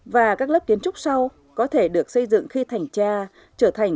và các lớp kiến trúc sau có thể được xây dựng khi thành cha trở thành